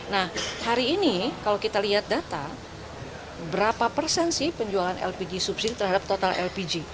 nah hari ini kalau kita lihat data berapa persen sih penjualan lpg subsidi terhadap total lpg